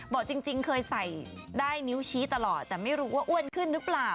บอกจริงเคยใส่ได้นิ้วชี้ตลอดแต่ไม่รู้ว่าอ้วนขึ้นหรือเปล่า